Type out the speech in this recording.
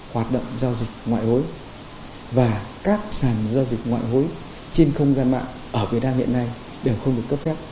hoạt động giao dịch ngoại hối và các sàn giao dịch ngoại hối trên không gian mạng ở việt nam hiện nay đều không được cấp phép